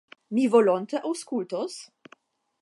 Mi volonte aŭskultos?